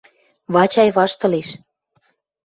— Вачай ваштылеш.